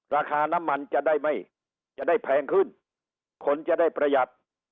ราคาน้ำมันจะได้ไม่จะได้แพงขึ้นคนจะได้ประหยัด